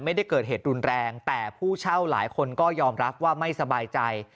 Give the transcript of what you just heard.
ไม่ได้เกิดเหตุรุนแรงแต่ผู้เช่าหลายคนก็ยอมรับว่าไม่สบายใจ